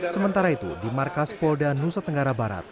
sementara itu di markas polda nusa tenggara barat